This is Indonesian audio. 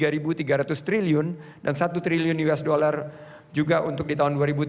yang jumlahnya sekarang potensinya ada di tiga tiga ratus triliun dan satu triliun usd juga untuk di tahun dua ribu tiga puluh